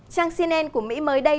trang cnn của mỹ mới đây